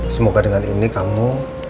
semoga dengan ini kamu